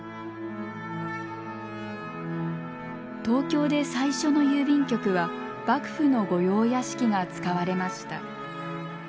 東京で最初の郵便局は幕府の御用屋敷が使われました。